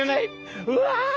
うわ！